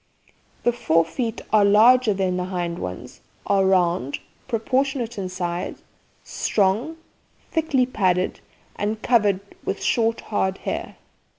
The fore feet are larger than the hind ones, are round, proportionate in size, strong, thickly padded, and covered with short hard hair.